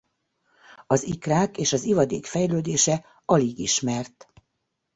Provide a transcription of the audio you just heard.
Az ikrák és az ivadék fejlődése alig ismert.